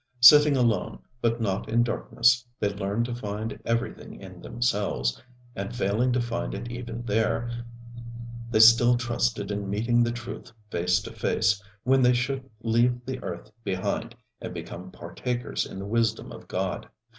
Sitting alone, but not in darkness, they learned to find everything in themselves, and failing to find it even there, they still trusted in meeting the truth face to face when they should leave the earth behind and become partakers in the wisdom of God.